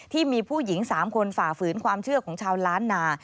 ที่มีผู้หญิง๓คนฝ่าฝืนความเชื่อของชาวล้านนา